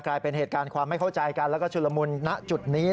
กลายเป็นเหตุการณ์ความไม่เข้าใจกันแล้วก็ชุลมุนณจุดนี้